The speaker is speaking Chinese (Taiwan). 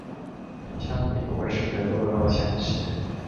走向美國式的弱肉強食